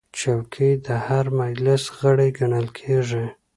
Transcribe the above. چوکۍ د هر مجلس غړی ګڼل کېږي.